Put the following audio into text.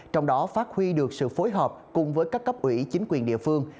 trong đó phát huy được sự phối hợp cùng với các cấp ủy chính quyền địa phương